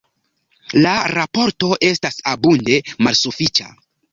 La raporto estas abunde malsufiĉa.